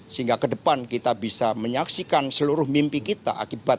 sehingga ke depan kita bisa menyaksikan seluruh mimpi kita akibat